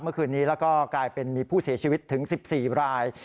เมื่อคืนนี้แล้วก็กลายเป็นมีผู้เสียชีวิตถึง๑๔ราย